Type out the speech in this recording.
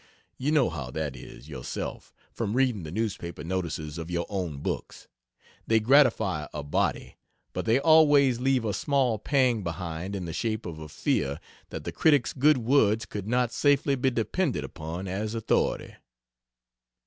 You know how that is, yourself, from reading the newspaper notices of your own books. They gratify a body, but they always leave a small pang behind in the shape of a fear that the critic's good words could not safely be depended upon as authority.